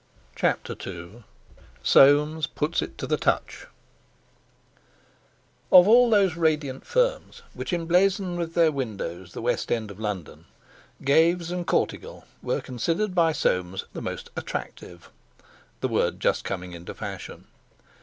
CHAPTER II SOAMES PUTS IT TO THE TOUCH Of all those radiant firms which emblazon with their windows the West End of London, Gaves and Cortegal were considered by Soames the most "attractive" word just coming into fashion.